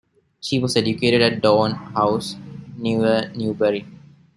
She was educated at Downe House, near Newbury.